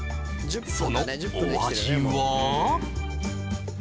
そのお味は？